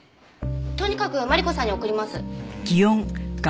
とにかくマリコさんに送ります。